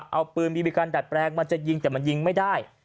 เอาปืนบีบีกันดัดแปลงมันจะยิงแต่มันยิงไม่ได้